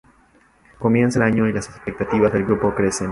Comienza el año y las expectativas del grupo crecen.